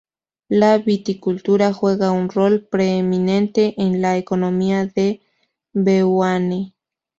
La viticultura juega un rol preeminente en la economía de Beaune.